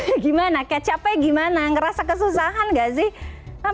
itu gimana kayak capek gimana ngerasa kesusahan gak sih